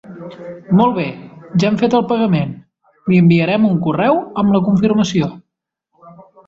Molt bé, ja hem fet el pagament, li enviarem un correu amb la confirmació.